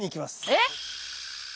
えっ！